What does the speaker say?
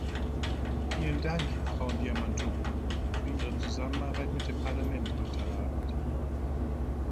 Vielen Dank, Frau Diamantopoulou, für Ihre Zusammenarbeit mit dem Parlament heute Abend.